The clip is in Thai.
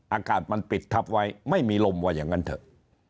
อากาศมันปิดทับไว้ไม่มีลมว่าอย่างนั้นเถอะ